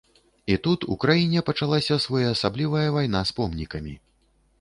І тут у краіне пачалася своеасаблівая вайна з помнікамі.